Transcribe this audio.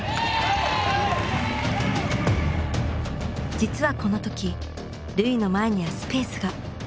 実はこの時瑠唯の前にはスペースが。